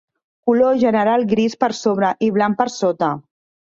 Color general gris per sobre i blanc per sota.